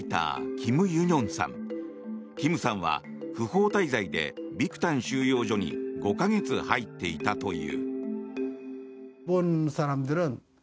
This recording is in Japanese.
キムさんは不法滞在でビクタン収容所に５か月入っていたという。